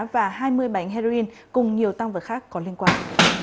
và hai mươi bánh heroin cùng nhiều tăng vật khác có liên quan